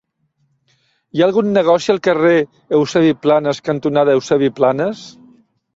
Hi ha algun negoci al carrer Eusebi Planas cantonada Eusebi Planas?